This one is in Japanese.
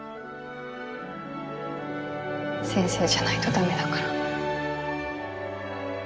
先生じゃないと駄目だから。